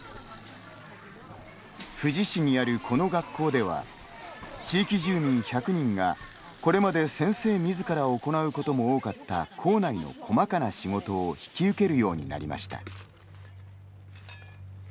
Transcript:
富士市にあるこの学校では地域住民１００人がこれまで先生みずから行うことも多かった校内の細かな仕事を引き受けるようになりました。